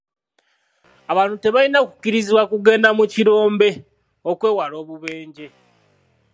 Abantu tebalina kukkirizibwa kugenda mu kirombe okwewala obubenje.